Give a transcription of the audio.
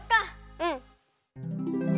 うん。